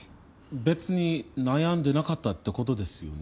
別に悩んでなかったってことですよね？